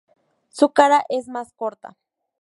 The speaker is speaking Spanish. Su cara es más corta.